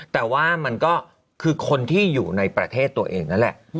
แต่ว่ามันก็คือคนที่อยู่ในประเทศตัวเองนั่นแหละ